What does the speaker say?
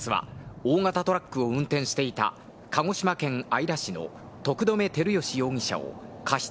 警察は大型トラックを運転していた鹿児島県姶良市の徳留輝禎容疑者を過失